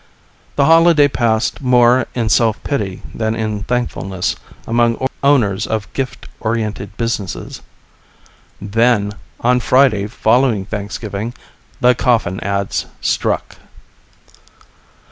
The holiday passed more in self pity than in thankfulness among owners of gift oriented businesses. Then, on Friday following Thanksgiving, the coffin ads struck.